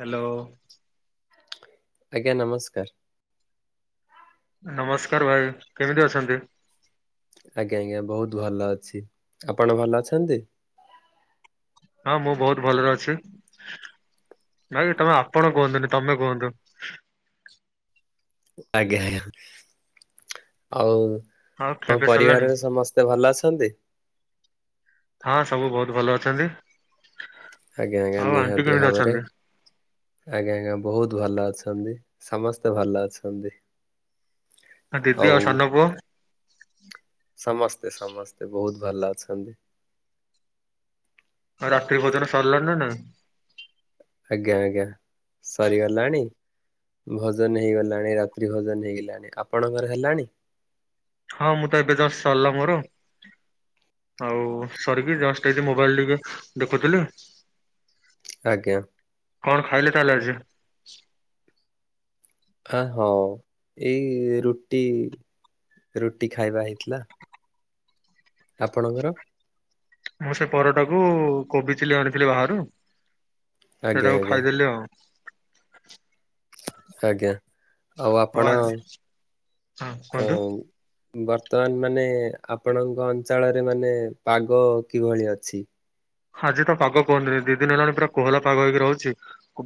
Hello. ଆଜ୍ଞା ନମସ୍କାର। ନମସ୍କାର ଭାଇ କେମିତି ଅଛନ୍ତି। ଆଜ୍ଞା ଆଜ୍ଞା ବହୁତ ଭଲ ଅଛି ଆପଣ ଭଲ ଅଛନ୍ତି। ହଁ ମୁଁ ବହୁତ ଭଲରେ ଅଛି ଭାଇ ତମେ ଆପଣ କୁହନ୍ତୁନି ତମେ କୁହନ୍ତୁ। ଆଜ୍ଞା ଆଜ୍ଞା। ଆଉ ଆଉ ଖିଆ ତମ ପିଆ ସରିଲାଣି? ପରିବାରରେ ସମସ୍ତ ତେ ଭଲ ଅଛନ୍ତି? ହଁ ସବୁ ବୋହୁତ ଭଲ ଅଛନ୍ତି। ଆଜ୍ଞା ଆଜ୍ଞା ଆଉ ଆଣ୍ଟି ନିହାତି କେମିତି ଭାବରେ। ଅଛନ୍ତି? ଆଜ୍ଞା ଆଜ୍ଞା। ବହୁତ ଭଲ ଅଛନ୍ତି। ସମସ୍ତେ ଭଲ ଅଛନ୍ତି। ଦିଦି ଆଉ ସାନ ପୁଅ ସମସ୍ତେ ସମସ୍ତେ ବୋହୁତ ଭଲ ଅଛନ୍ତି। ଆଉ ରାତିି ଭୋଜନ ସରିଲାଣି ନା ନାଇଁ? ଆଜ୍ଞା ଆଜ୍ଞା। ସରିଗଲାଣି। ଭଜନ ହେଇଗଲାଣି ରାତ୍ରି ଭଜନ ହେଇଗଲାଣି। ଆପଣଙ୍କର ହେଲାଣି? ହଁ ମୁଁ ତ ଏବେ ଜଷ୍ଟ ସରିଲା ମୋର। ଆଉ ସରିକି ଜଷ୍ଟ ଏବେ ମୋବାଇଲ ଟିକେ ଦେଖୁଥିଲି। ଆଜ୍ଞା। କଣ ଖାଇଲେ ତାହେଲେ ଆଜି? ଆ ହଁ ଏଇ ରୁଟି ରୁଟି ଖାଇବା ହେଇଥିଲା। ଆପଣଙ୍କର? ମୁଁ ସେ ପରଟାକୁ କୋବି ଚିଲି ଆଣିଥିଲି ବାହାରୁ। ଆଜ୍ଞା ସେଟାକୁ ଆଜ୍ଞା ଖାଇଦେଲି ଆଉ। ଆଜ୍ଞା। ଆଉ ହଁ ଆପଣ ଆଜି ହଁ ଆ କୁହନ୍ତୁ। ବର୍ତ୍ତମାନ ମାନେ ଆପଣଙ୍କ ଅଞ୍ଚଳରେ ମାନେ ପାଗ କିଭଳି ଅଛି? ଆଜି ତ ପାଗ କୁହନ୍ତୁନି! ଦି ଦିନ ହେଲାଣି ପୁରା କୋହଲା ପାଗ ହେଇକି ରହୁଛି।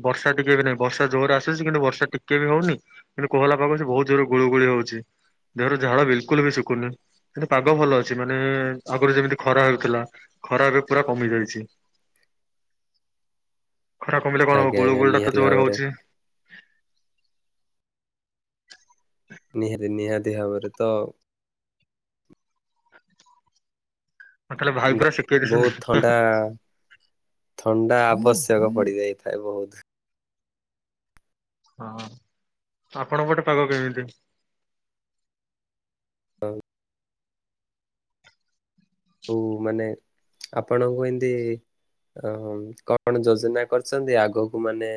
ବର୍ଷା ଟିକେ ବି ନାହିଁ ବର୍ଷା ଜୋର ରେ ଆସୁଚି କିନ୍ତୁ ବର୍ଷା ଟିକେ ବି ହଉନି। କିନ୍ତୁ କୋହଲା ପାଗ [inaudible] ବୋହୁତ ଜୋରରେ ଗୁଳୁଗୁଳି ହଉଛି। ଦେହରୁ ଝାଳ ବିଲକୁଲ ବି ଶୁଖୁନି। କିନ୍ତୁ ପାଗ ଭଲ ଅଛି। ମାନେ ଆଗରୁ ଯେମିତି ଖରା ହେଉଥିଲା! ଖରା ଏବେ ପୁରା କମି ଯାଇଛି। ଖରା କମିଲେ କଣ ହବ ଆଜ୍ଞା ଆଜ୍ଞା ଗୁଳୁଗୋଳି ଟା ତ ନିହାତି ଜୋର ରେ ଭାବରେ ହଉଛି। ନିହାତି। ନିହାତି ଭାବରେ। ତ ତାହେଲେ ଭାଇ ପୁରା [inaudible] ବହୁତ ଦେଇଚନ୍ତି। ଥଣ୍ଡା ଥଣ୍ଡା ଆବଶ୍ୟକ ପଡିଯାଇଥାଏ ବୋହୁତ। ହଁ ଆପଣଙ୍କ ପଟେ ପାଗ କେମିତି? ଆଉ ମାନେ ଆପଣଙ୍କୁ ଏମତି ଓହୋ। କଣ ଯୋଜନା କରିଛନ୍ତି ଆଗକୁ ମାନେ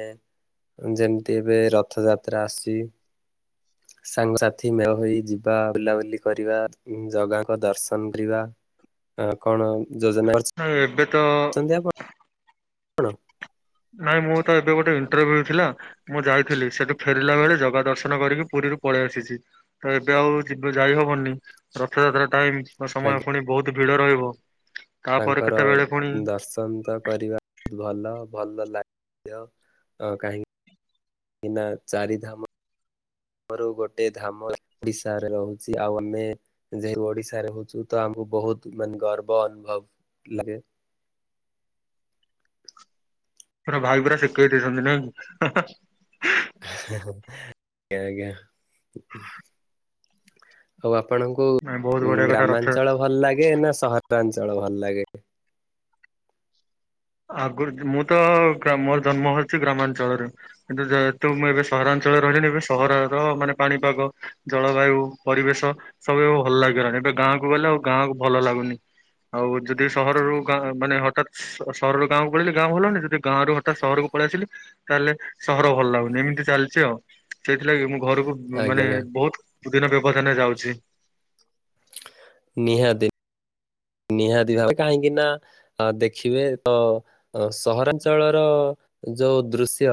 ଯେମିତି ଏବେ ରଥଯାତ୍ରା ଆସୁଛି। [inaudible] ସାଙ୍ଗସାଥି ମେଳ ହୋଇ ଯିବା ବୁଲାବୁଲି କରିବା। ଜଗାଙ୍କ ଦର୍ଶନ କରିବା। ଆ କଣ ଯୋଜନା କରିଛିନ୍ତି? ନାଇଁ ଏବେ ତ [unintelligible] କଣ? ନାଇଁ ମୁଁ ତ ଏବେ ଗୋଟେ ଇଣ୍ଟରଭ୍ୟୁ ଥିଲା। ମୁଁ ଯାଇଥିଲି। ସେଠୁ ଫେରିଲା ବେଳେ ଜଗା ଦର୍ଶନ କରିକି ପୁରୀରୁ ପଳେଇ ଆସିଛି। ତ ଏବେ ଆଉ ଯିବ ଯାଇ ହବନି। ରଥଯାତ୍ରା ଟାଇମ। ଆଜ୍ଞା। ସମୟ ପୁଣି ବୋହୁତ ଭିଡ ରହିବ। ତାପରେ ତାଙ୍କର କେତେବେଳେ ପୁଣି ଦର୍ଶନ ତ କରିବା ଭଲ ଭଲ ଲାଗିବ [inaudible] କାହିଁକି କିନା ଚାରିଧାମ ଧାମରୁ ଗୋଟେ ଧାମ ଓଡିଶାରେ ରହୁଛି ଆଉ ଆମେ ଯେହୁ [inaudible] ଓଡିଶାରେ ରହୁଛୁ ତ ଆମକୁ ବହୁତ ମାନେ ଗର୍ବ ଅନୁଭବ ଲାଗେ। ପୁରା ଭାଇ ପୁରା ଶିଖେଇ ଦେଇଛନ୍ତି ନାଇଁ? ଆଜ୍ଞା ଆଜ୍ଞା। ହଉ ଆପଣଙ୍କୁ ନାଇଁ ବହୁତ ବଢିଆ କଥା ରଥ ଗ୍ରାମାଞ୍ଚଳ ଭଲ ଲାଗେ ନା ସହରାଞ୍ଚଳ ଭଲ ଲାଗେ? ଆଗରୁ ମୁଁ ତ ଗ୍ରାମ ମୋର ଜନ୍ମ ହଉଛି ଗ୍ରାମାଞ୍ଚଳରେ। କିନ୍ତୁ ଯେହେତୁ ମୁଁ ଏବେ ସହରାଞ୍ଚଳରେ ରହିଲିନି ଏବେ ସହରର ମାନେ ପାଣିପାଗ ଜଳବାୟୁ ପରିବେଶ ସବୁ ଭଲ ଲାଗିଗଲାଣି ଏବେ ଗାଁକୁ ଗଲେ ଆଉ ଗାଁକୁ ଭଲ ଲାଗୁନି। ଆଉ ଯଦି ସହରରୁ ଗାଁ ମାନେ ହଠାତ୍ ତ ସହରରୁ ଗାଁକୁ ପଳେଇଲି ଗାଁ ଭଲନି ଯଦ ଗାଁ ରୁ ହଠାତ୍ ସହରକୁ ପଳେଇ ଆସିଲି ତାହେଲେ ସହର ଭଲ ଲାଗୁନି ଏମିତି ଚାଲିଛି ଆଉ। ସେଇଥିଲାଗି ମୁଁ ଘରକୁ ଆଜ୍ଞା ମାନେ ଆଜ୍ଞା ବହୁତ ଦିନ ବ୍ୟବଧାନ ରେ ଯାଉଛି। ନିହାତି। ନିହାତି ଭାଵରେ କାହିଁକି ନା ଆ ଦେଖିବେ ତ ସହରାଞ୍ଚଳର ଯୋଉ ଦୃଶ୍ୟ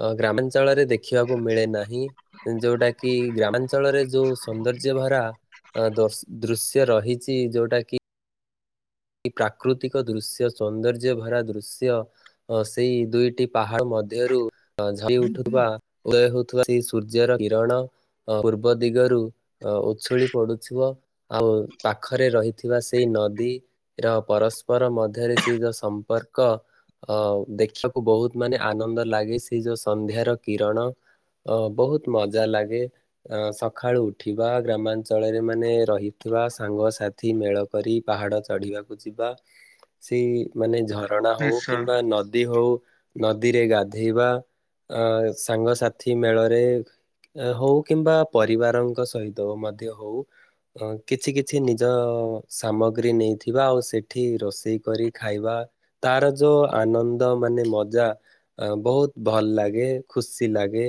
ଅ ଗ୍ରାମାଞ୍ଚଳରେ ଦେଖିବାକୁ ମିଳେ ନାହିଁ ଯୋଉଟା କି ଗ୍ରାମାଞ୍ଚଳରେ ଯୋଉ ସୌନ୍ଦର୍ଯ୍ୟ ଭରା ଦ ଦୃଶ୍ୟ ରହିଛି ଯୋଉଟା କି ପ୍ରାକୃତିକ ଦୃଶ୍ୟ ସୌନ୍ଦର୍ଯ୍ୟ ଭରା ଦୃଶ୍ୟ। ଅ ସେଇ ଦୁଇଟି ପାହାଡ ମଧ୍ୟରୁ ଝଳି ଉଠୁଥିବା ଉଦୟ ହଉଥିବା ସେ ସୂର୍ଯ୍ୟର କିରଣ ଅ ପୂର୍ବ ଦିଗରୁ ଅ ଉଛୁଳି ପଡୁଥିବ। ଆଉ ପାଖରେ ରହିଥିବା ସେଇ ନଦୀ ର ପରସ୍ପର ମଧ୍ୟରେ ସେହି ଯଉ ସମ୍ପର୍କ ଅ ଦେଖିବାକୁ ବହୁତ ମାନେ ଆନନ୍ଦ ଲାଗେ ସେ ଯୋଉ ସନ୍ଧ୍ୟାର କିରଣ ଅ ବହୁତ ମଜା ଲାଗେ। ଅ ସକାଳୁ ଉଠିବା ଗ୍ରାମାଞ୍ଚଳରେ ମାନେ ରହିଥିବା ସାଙ୍ଗସାଥି ମେଳ କରି ପାହାଡ ଚଢିବାକୁ ଯିବା ସେଇ ମାନେ ଝରଣା ହଉ ନିଶ୍ଚୟ କିମ୍ବା ନଦୀ ହଉ ନଦୀରେ ଗାଧେଇବା ଅ ସାଙ୍ଗସାଥି ମେଳରେ ହଉ କିମ୍ବା ପରିବାରଙ୍କ ସହିତ ମଧ୍ୟ ହଉ ଅ କିଛି କିଛି ନିଜ ସାମଗ୍ରୀ ନେଇଥି ଥିବା ଆଉ ସେଠି ରୋଷେଇ କରି ଖାଇବା ତାର ଯୋଉ ଆନନ୍ଦ ମାନେ ମଜା ଅ ବହୁତ ଭଲ ଲାଗେ ଖୁସି ଲାଗେ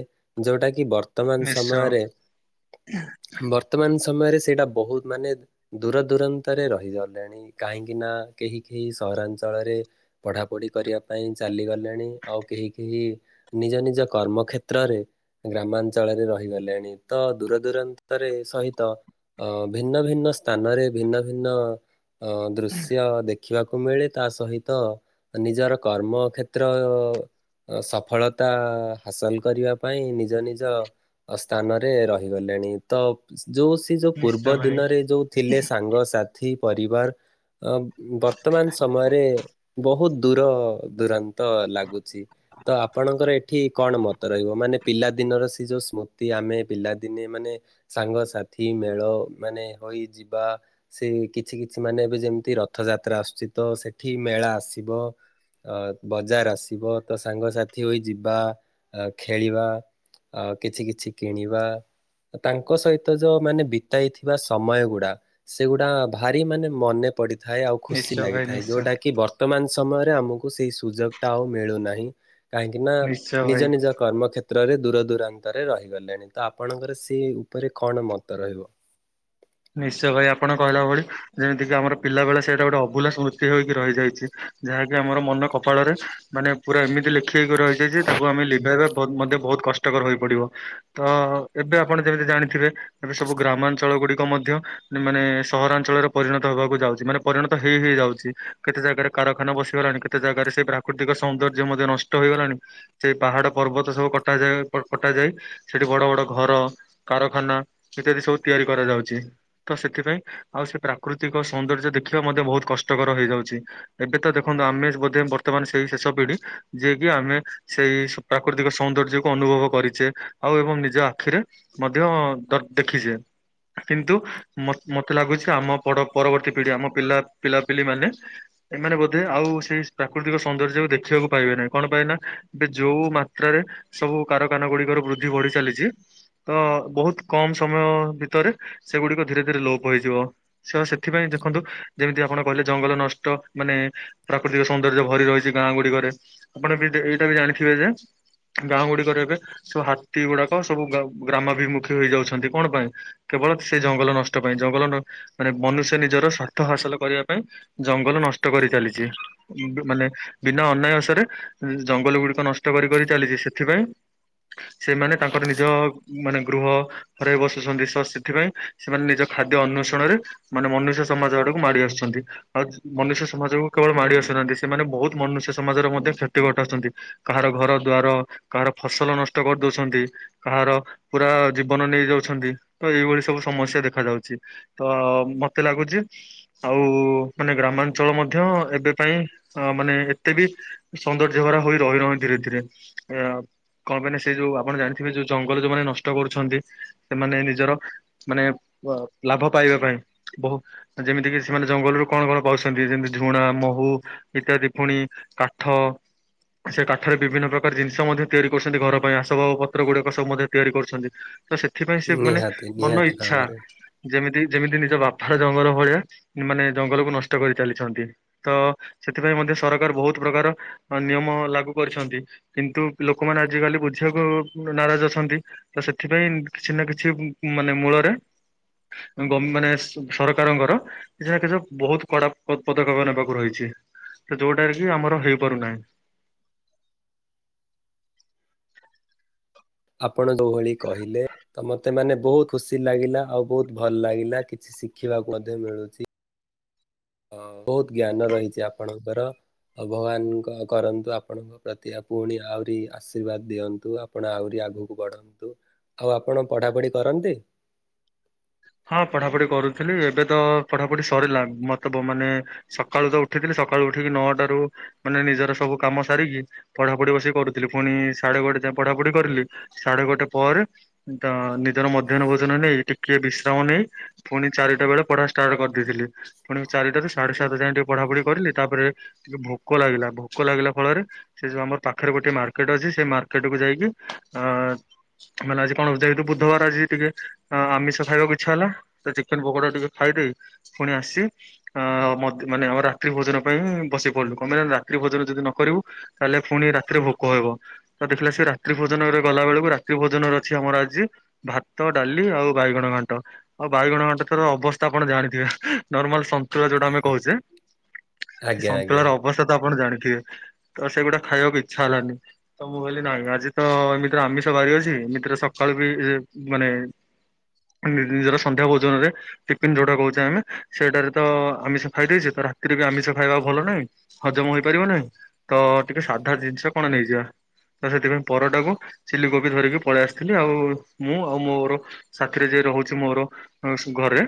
ଯୋଉଟା କି ବର୍ତ ବର୍ତ୍ତମାନ ନିଶ୍ଚୟ ସମୟରେ ବର୍ ବର୍ତ୍ତମାନ ସମୟରେ ସେଇଟା ବହୁତ ମାନେ ଦୂର ଦୂରନ୍ତରେ ରହିଗଲେଣି କାହିଁକି ନା କେହି କେହି ସହରାଞ୍ଚଳରେ ପଢାପଢି କରିବା ପାଇଁ ଚାଲିଗଲେଣି ଆଉ କେହି କେହି ନିଜ ନିଜ କର୍ମ କ୍ଷେତ୍ରରେ ଗ୍ରାମାଞ୍ଚଳରେ ରହିଗଲେଣି ତ ଦୂର ଦୂରାନ୍ତରେ ସହିତ ଅ ଭିନ୍ନ ଭିନ୍ନ ସ୍ଥାନରେ ଭିନ୍ନ ଭିନ୍ନ ଅ ଦୃଶ୍ୟ ଦେଖି ଦେଖିବାକୁ ମିଳେ ତା ସହିତ ନିଜର କର୍ମ କ୍ଷେତ୍ର ସଫଳତା ହାସଲ କରିବା ପାଇଁ ନିଜ ନିଜ ସ୍ଥାନରେ ରହିଗଲେଣି ତ ଯୋଉ ସେ ଯେଉଁ ନିଶ୍ଚୟ ପୂର୍ବ ଭାଇ ଦିନରେ ଯେଉଁ ଥିଲେ ସାଙ୍ଗସାଥି ପରିବାର ଅ ବର୍ତ୍ତମାନ ସମୟରେ ବହୁତ ଦୂର ଦୂରାନ୍ତ ଲାଗୁ ଚି ତ ଆପଣଙ୍କର ଏ ଏଠି କଣ ମତ ରହିବ ମାନେ ପିଲା ଦିନର ସେ ଯୋଉ ସ୍ମୃତି ଆମେ ପିଲାଦିନେ ମାନେ ସାଙ୍ଗସାଥି ମେଳ ମାନେ ହୋଇ ଯିବା ସେ କିଛି କିଛି ସେ ମାନେ ଏବେ ଯେମିତି ରଥଯାତ୍ରା ଆସୁଛି ତ ସେଠି ମେଳା ଆସିବ। ଅ ବଜାର ଆସିବ ତ ସାଙ୍ଗସାଥି ହୋଇ ଯିବା ଖେଳିବା। ଆ କିଛି କିଛି କିଣିବା। ତାଙ୍କ ସହିତ ଯୋଉ ମାନେ ବିତେଇଥିବା ସମୟ ଗୁଡା ସେଗୁଡା ଭାରି ମାନେ ମନେ ପଡିଥାଏ ଆଉ ଖୁସି ନିଶ୍ଚୟ ଭାଇ ଲାଗିଥାଏ ନିଶ୍ଚୟ ଯୋଉଟା କି ବର୍ତ୍ତମାନ ସମୟରେ ଆମକୁ ସେଇ ସୁଯୋଗ ଟା ଆଉ ମିଳୁନାହିଁ। କାହିଁକି ନା ନିଶ୍ଚୟ ନିଜ ଭାଇ। ନିଜ କର୍ମ କ୍ଷେତ୍ର କ୍ଷେତ୍ରରେ ଦୂରଦୂରାନ୍ତରେ ରହିଗଲେଣି ତ ଆପଣଙ୍କର ସେ ଉପରେ କଣ ମତ ରହିବ? ନିଶ୍ଚୟ ଭାଇ ଆପଣ କହିଲା ଭଳି ଯେମିତି କିି ଆମର ପିଲା ବେଳେ ସେଇଟା ଗୋଟେ ଅଭୁଲା ସ୍ମୃତି ହେଇକି ରହିଯାଇଛି। ଯାହାକି ଆମର ମନ କପାଳରେ ମାନେ ପୁରା ଏମିତି ଲେଖେଇକି ରହିଯାଇଚି ଯେ ତାକୁ ଆମେ ଲିଭାଇବା ବୋହୁଙ୍କ ମଧ୍ୟ ବୋହୁତ୍ କ ଟକର୍ ହୋଇପଡିବ ତ ଏବେ ଆପଣ ଯେମିତି ଜାଣିଥିବେ ଏବେ ସବୁ ଗ୍ରାମାଞ୍ଚଳ ଗୁଡି ମଧ୍ୟ ମାନେ ସହରାଞ୍ଚଳରେ ପରିଣତ ହବାକୁ ଯାଉଚି ମାନେ ପରିଣତ ହେଇ ହେଇ ହେଇ ଯାଉଚି। କେତେ ଜାଗାରେ କାରଖାନା ବସିଗଲାଣି କେତେ ଜାଗାରେ ସେ ପ୍ରାକୃତିକ ସୌନ୍ଦର୍ଯ୍ୟ ମଧ୍ୟ ନଷ୍ଟ ହେଇଗଲାଣି। ସେଇ ପାହାଡ ପର୍ବତ ସବୁ କଟାଯାଏ କଟାଯାଇ ସେଠି ବଡ ବଡ ଘର କାରଖାନା ଇତ୍ୟାଦି ସବୁ ତିଆରି କରାଯାଉ ଛି ତ ସେଥିପାଇଁ ଆଉ ସେ ପ୍ରାକୃତିକ ସୌନ୍ଦର୍ଯ୍ୟ ଦେଖିବା ମଧ୍ୟ ବହୁତ କଷ୍ଟକର ହେଇଯାଉଛି। ଏବେ ତ ଦେଖନ୍ତୁ ଆମେ ବୋଧେ ବର୍ତ୍ତମାନ ସେଇ ଶେଷ ପିଢି ଯିଏକି ଆମେ ସେଇ ପ୍ରାକୃତିକ ସୌନ୍ଦର୍ଯ୍ୟକୁ ଅନୁଭବ କରିଚେ ଆଉ ଏବଂ ନିଜ ଆଖିରେ ମଧ୍ୟ ଦର୍ ଦେଖିଚେ। କିନ୍ତୁ ମତ୍ ମତେ ଲାଗୁଚି ଆମ ପଡ ପରବର୍ତ୍ତୀ ପିଢି ଆମ ପିଲା ପିଲାପିଲି ମାନେ ଏମାନେ ବୋଧେ ଆଉ ସେଇ ପ୍ରାକୃତିକ ସୌନ୍ଦର୍ଯ୍ୟକୁ ଦେଖିବାକୁ ପାଇବେ ନାହିଁ କଣ ପାଇଁ ନା ବେ ଯୋଉ ମାତ୍ରାରେ ସବୁ କାରଖାନା ଗୁଡିକର ବୃଦ୍ଧି ବଢି ଚାଲିଚି ତ ବୋହୁତ କମ୍ ସମୟ ଭିତରେ ସେଗୁଡିକ ଧୀରେ ଧୀରେ ଲୋପ ହେଇଯିବ। ସ ସେଥିପାଇଁ ଦେଖନ୍ତୁ ଯେମିତି ଆପଣ କହିଲେ ଜଙ୍ଗଲ ନଷ୍ଟ ମାନେ ପ୍ରାକୃତିକ ସୌନ୍ଦର୍ଯ୍ୟ ଭରି ରହିଚି ଗାଁ ଗୁଡିକରେ ଆପଣ ବି ଏଇଟା ବି ଜାଣିଥିବେ ଯେ ଗାଁ ଗୁଡିକରେ ଏବେ ସବୁ ହାତୀ ଗୁଡାକ ସବୁ ଗା ଗ୍ରାମାଭିମୁଖୀ ହେଇଯାଉଛନ୍ତି କଣ ପାଇଁ? କେବଳ ସେ ଜଙ୍ଗଲ ନଷ୍ଟ ପାଇଁ ଜଙ୍ଗଲ ମାନେ ମନୁଷ୍ୟ ନିଜର ସ୍ୱାର୍ଥ ହାସଲ କରିବା ପାଇଁ ଜଙ୍ଗଲ ନଷ୍ଟ କରି ଚାଲିଚି। ମାନେ ବିନା ଅନାୟସରେ ଜଙ୍ଗଲ ଗୁଡିକ ନଷ୍ଟ କରି କରି ଚାଲିଚି ସେଥିପାଇଁ ସେମାନେ ତାଙ୍କର ନିଜ ମାନେ ଗୃହ ଘରେ ବସୁଚନ୍ତି ସ ଥିପାଇଁ ସେମାନେ ନିଜ ଖାଦ୍ୟ ଅନ୍ୱେଷଣରେ ମାନେ ମନୁଷ୍ୟ ସମାଜ ଆଡକୁ ମାଡ଼ି ଆସୁଚନ୍ତି। ଆଜ୍ ମନୁଷ୍ୟ ସମାଜକୁ କେବଳ ମାଡି ଆସୁନାହାନ୍ତି ସେମାନେ ବହୁତ ମନୁଷ୍ୟ ସମାଜର ମଧ୍ୟ କ୍ଷତି ଘଟାଉଛନ୍ତି। କାହାର ଘର ଦ୍ୱାର କାହାର ଫସଲ ନଷ୍ଟ କରିଦୋଉଛନ୍ତି। କାହାର ପୁରା ଜୀବନ ନେଇ ଯାଉଛନ୍ତି। ତ ଏଇଭଳି ସବୁ ସମସ୍ୟା ଦେଖା ଯାଉଛି, ତ ମତେ ଲାଗୁଚି ଆଉ ମାନେ ଗ୍ରାମାଞ୍ଚଳ ମଧ୍ୟ ଏବେ ପାଇଁ ମାନେ ଏତେ ବି ସୌନ୍ଦର୍ଯ୍ୟ ଭରା ହୋଇ ରହିନହି ଧୀରେ ଧୀରେ ଆ। କଣ ପାଇଁ ନା ସେ ଯୋଉ ଆପଣ ଜାଣିଥିବେ ଯୋଉ ଜଙ୍ଗଲ ଯୋଉମାନେ ନଷ୍ଟ କରୁଛନ୍ତି ସେମାନେ ନିଜର ମାନେ ବ ଲାଭ ପାଇବା ପାଇଁ। ବୋହୁ ଯେମିତି କି ସେମାନେ ଜଙ୍ଗଲରୁ କଣ କଣ ପାଉଛନ୍ତି ଯେମିତି ଝୁଣା, ମୋହୁ ଇତ୍ୟାଦି ପୁଣି କାଠ ସେ କାଠରେ ବିଭିନ୍ନ ପ୍ରକାର ଜିନିଷ ମଧ୍ୟ ତିଆରି କରୁଚନ୍ତି ଘର ପାଇଁ ଆସବାବ ପତ୍ର ଗୁଡିକ ସବୁ ମଧ୍ୟ ତିଆରି କରୁଛନ୍ତି। ତ ସେଥିପାଇଁ ସେ ମାନେ ନିହାତି ମନ ନିହାତି ଇଚ୍ଛା ଭାବରେ ଯେମିତି ଯେମିତି ନିଜ ବାପାର ଜଙ୍ଗଲ ଭଳିଆ ମାନେ ଜଙ୍ଗଲକୁ ନଷ୍ଟ କରି ଚାଲିଛିନ୍ତି। ତ ସେଥିପାଇଁ ମଧ୍ୟ ସରକାର ବୋହୁତ୍ ପ୍ରକାର ନିୟମ ଲାଗୁ କରିଛନ୍ତି କିନ୍ତୁ ଲୋକମାନେ ଆଜିକାଲି ବୁଝିବାକୁ ନାରାଜ୍ ଅଛନ୍ତି। ତ ସେଥିପାଇଁ କିଛି ନା କିଛି ମାନେ ମୂଳରେ ଗମ୍ ମାନେ ସରକାରଙ୍କର କିଛି ନା କିଛି ବୋହୁତ୍ କଡା ପଦ ପଦକ୍ଷେପ ନେବାକୁ ରହିଛି ଯୋଉଟାରେ କି ଆମର ହେଇପାରୁନାହିଁ। ଆପଣ ଯୋଉ ଭଳି କହିଲେ ତ ମତେ ମାନେ ବୋହୁତ୍ ଖୁସି ଲାଗିଲା ଆଉ ବୋହୁତ୍ ଭଲ ଲାଗିଲା କିଛି ଶିଖିବାକୁ ମଧ୍ୟ ମିଳୁଚି। ଅଁ ବୋହୁତ୍ ଜ୍ଞାନ ରହିଚି ଆପଣଙ୍କର। ଭଗବାନଙ୍କ କରନ୍ତୁ ଆପଣଙ୍କ ପ୍ରତି ପୁଣି ଆହୁରି ଆଶୀର୍ବାଦ ଦିଅନ୍ତୁ, ଆ ଆପଣ ଆହୁରି ଆଗକୁ ବଢନ୍ତୁ ଆଉ ଆପଣ ପଢାପୁଢି କରନ୍ତି? ହଁ ପଢାପୁଢି କରୁଥିଲି ଏବେ ତ ପଢାପୁଢି ସରିଲା ମତବ ମାନେ ସକାଳୁ ତ ଉଠିଥିଲି ସକାଳୁ ଉଠିକି ନଅଟାରୁ ମାନେ ନିଜର ସବୁ କାମ ସାରିକି ପଢାପୁଢି ବସି କରୁଥିଲି ପୁଣି ସାଢେ ଗୋଟେ ଯାଏ ପଢାପୁଢି କରିଲି। ସାଢେ ଗୋଟେ ପରେ ତ ନିଜର ମଧ୍ୟାହ୍ନ ଭୋଜନ ନେଇ ଟିକେ ବିସ୍ ଯାମ ନେଇ ଫୁଣି ଚାରିଟା ବେଳେ ପଢା ଷ୍ଟାର୍ଟ କରିଦେଇଥିଲି, ଫୁଣି ଚାରିଟାରୁ ସାଢେ ସାତ ଯାଏ ଟିକେ ପଢାପଢି କରିଲି, ତାପରେ ଟିକେ ଭୋକ ଲାଗିଲା, ଭୋକ ଲାଗିଲା ଫଳରେ ସେ ଯୋଉ ଆମର ପାଖରେ ଗୋଟେ ମାର୍କେଟ ଅଛି ସେଇ ମାର୍କେଟ କୁ ଯାଇକି ଅ ମାନେ ଆଜି କଣ ଯେହତୁ ବୁଧବାର ଆଜି ଟିକେ ଅ- ଆମିଷ ଖାଇବା ପାଇଁ ଇଛା ହେଲା ତ ଚିକେନ୍ ପକୋଡା ଟିକେ ଖାଇଦେଇ ଫୁଣି ଆସି ଅ ମାନେ ଆମ ରାତ୍ରି ଭୋଜନ ପାଇଁ ବସି ପଡିଲୁ କମ୍ ପେଇ ରାତ୍ରି ଭୋଜନ ଯଦି ନ କରିବୁ ତାହେଲେ ପୁଣି ରାତିରେ ଭୋକ ହେବ। ତ ଦେଖିଲା ସେ ରାତ୍ରି ଭୋଜନରେ ଗଲା ବେଳକୁ ରାତି ଭୋଜନରେ ଅଛି ଆମର ଆଜି ଭାତ, ଡାଲି ଆଉ ବାଇଗଣ ଘାଣ୍ଟ ଆଉ ବାଇଗଣ ଘାଣ୍ଟ ରେ ତ ଅବସ୍ଥା ଆପଣ ଜାଣିଥିବେ। ନର୍ମାଲ ସନ୍ତୁଳା ଯୋଉଟା ଆମେ କହୁଚେ ଆଜ୍ଞା ଆଜ୍ଞା ସନ୍ତୁଳାର ଅବସ୍ଥା ତ ଆପଣ ଜାଣିଥିବେ। ତ ସେଗୁଟା ଖାଇବାକୁ ଇଛା ହେଲାନି। ତ ମୁଁ କହିଲି ନାହିଁ ଆଜି ତ ଏମତିରେ ଆମିଷ ବାାରି ଅଛି ଏମତିରେ ସକାଳୁ ବି ମାନେ ନିଜର ସନ୍ଧ୍ୟା ଭୋଜନରେ। ଟିଫିନ ଯୋଉଟା କହୁଛେ ଆମେ ସେଇଟାରେ ତ ଆମିଷ ଖାଇ ଦେଇେଇଛେ ତ ରାତିରେ ବି ଆମିଷ ଖାଇବା ଭଲ ନାହିଁ। ହଜମ ହେଇପାରିବନାଇଁ ତ ଟିକେ ସାଧା ଜିନିଷ କଣ ନେଇଯିବା। ତ ସେଥିପାଇଁ ପରଟାକୁ ସିଲ କୋପି ଧରିକି ପଳେଇ ଆସିଥିଲି ଆଉ ମୁଁ ଆଉ ମୋର ରାଥିରେ ଯ ରହୁଛି ମୋର ଘରେ।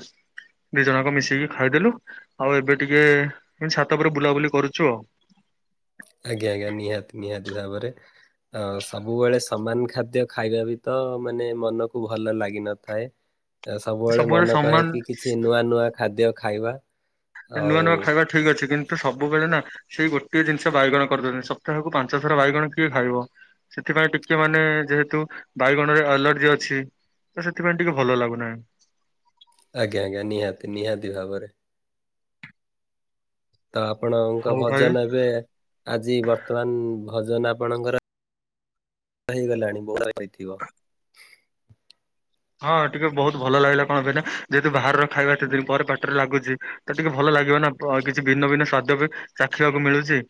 ଦି ଜଣଙ୍କ ମିଶେଇିକି ଖାଇଦେଲୁ ଆଉ ଏବେ ଟିକେ ଛାତ ଉପ ବୁଲାବୁଲି କରୁଛୁ ଆଉ। ଆଜ୍ଞା ଆଜ୍ଞା ନିହାତି ନିହାତି ଭାବରେ। ଅ ସବୁବେଳେ ସମାନ ଖାଦ୍ୟ ଖାଇବା ବି ତ ମାନେ ମନକୁ ଭଲ ଲାଗିନଥାଏ। ସବୁବେଳେ ମନେ କହେ କି କିଛି ନୂଆ ନୂଆ ଖାଦ୍ୟ ଖାଇବା। ଆଉ ନୂଆ ନୂଆ ଖାଇବା ଠିକ ଅଛି କିନ୍ତୁ ସବୁବେଳେ ନା। ସେଇ ଗୋଟିଏ ଜିନିଷ ବାଇଗଣ କରିଛନ୍ତି ସପ୍ତାହକୁ ପାଞ୍ଚ ଥର ବାଇଗଣ କିଏ ଖାଇବ? ସେଥିପାଇଁ ଟିକେ ମାନେ ଯେହେତୁ ବାଇଗଣରେ ଆଲର୍ଜି ଅଛି? ତ ସେଥିପାଇଁ ଟିକେ ଭଲ ଲାଗୁନାହିଁ। ଆଜ୍ଞା ଆଜ୍ଞା ନିହାତି ନିହାତି ଭାବରେ। ତ ଆପଣଙ୍କ ହଉ ଭାଇ ଭଜନ ଏବେ ଆଜି ବର୍ତ୍ତମାନ ଭଜନ ଆପଣଙ୍କର [unintelligible] ହଁ ଟିକେ ବହୁତ ଭଲ ଲାଗିଲା କଣ ପାଇଁନା ଯେହେତୁ ବାହାରର ଖାଇବା ସେତି ଦିନ ପରେ ପାଟରେ ଲାଗୁଛି। ତ ଟିକେ ଭଲ ଲାଗିବ ନା, କିଛି ଭିନ୍ନ ଭିନ୍ନ ସ୍ଵାଦ୍ୟ ବି ଚାଖିବାକୁ ମିଳୁଛି।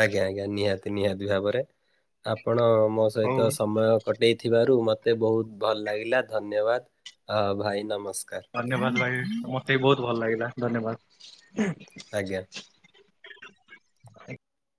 ଆଜ୍ଞା ଆଜ୍ଞା, ନିହାତି ନିହାତି ଭାବରେ, ଆପଣ ମୋ ହଉ ସହିତ ସମୟ କଟେଇଥିବାରୁ ମୋତେ ବହୁତ ଭଲ ଲାଗିଲା ଧନ୍ୟବାଦ ଭାଇ ନମସ୍କାର। ଧନ୍ୟବାଦ ଭାଇ ମତେ ବି ବହୁତ ଭଲ ଲାଗିଲା ଧନ୍ୟବାଦ। ଆଜ୍ଞା।